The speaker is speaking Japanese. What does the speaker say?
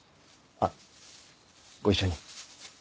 あっご一緒に。